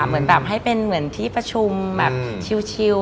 เหมือนแบบให้เป็นเหมือนที่ประชุมแบบชิล